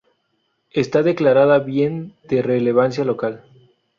Está declarada bien de relevancia local.